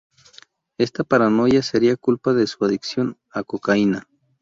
Esta paranoia sería culpa de su adicción a cocaína.